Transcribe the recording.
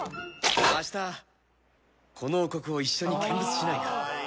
「あしたこの王国を一緒に見物しないか？」